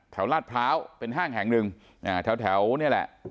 แถวราชพร้าวเป็นห้างแห่งหนึ่งอ่าแถวแถวเนี่ยแหละ